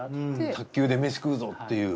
卓球で飯食うぞっていう。